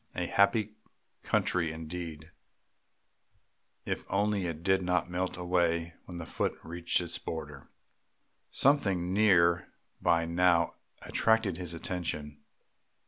A happy country indeed, if only it did not melt away when the foot reached its border. Something near by now attracted his attention.